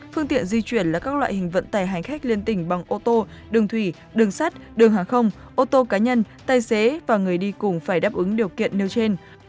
phương tiện di chuyển là các loại hình vận tải hành khách liên tỉnh bằng ô tô đường thủy đường sắt đường hàng không ô tô cá nhân tài xế và người đi cùng phải đáp ứng điều kiện nêu trên